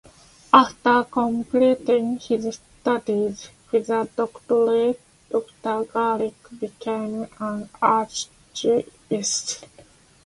After completing his studies with a doctorate, Doctor Gerlich became an archivist.